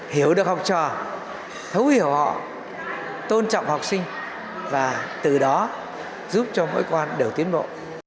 hiểu được học trò thấu hiểu họ tôn trọng học sinh và từ đó giúp cho mỗi con đều tiến bộ